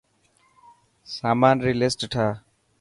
سامان ري لسٽ ٺاهه.